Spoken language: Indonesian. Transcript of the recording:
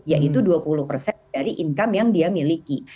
yaitu dua puluh dari income yang dia miliki